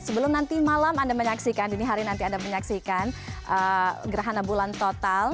sebelum nanti malam anda menyaksikan dini hari nanti anda menyaksikan gerhana bulan total